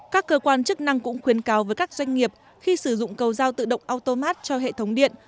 các cơ quan chức năng cũng khuyến cáo với các doanh nghiệp khi sử dụng cầu giao tự động automat cho hệ thống điện